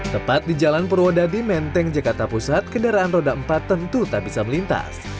tepat di jalan purwodadi menteng jakarta pusat kendaraan roda empat tentu tak bisa melintas